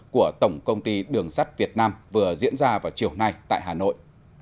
của tổng công ty đường sắt việt nam vừa diễn ra vào chiều nay tại hà nội